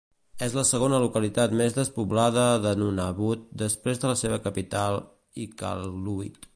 És la segona localitat més despoblada de Nunavut després de la seva capital Iqaluit.